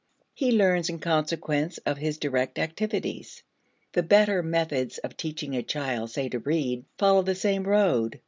He learns in consequence of his direct activities. The better methods of teaching a child, say, to read, follow the same road.